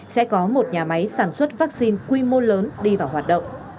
sẽ có một nhà máy sản xuất vaccine quy mô lớn đi vào hoạt động